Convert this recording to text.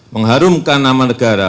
mengharumkan nama negara